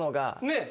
ねえ。